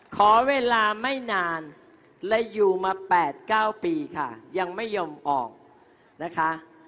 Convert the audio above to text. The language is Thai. ขอเวลาไม่นานและอยู่มา๘๙ปีค่ะยังไม่ยอมออกนะคะ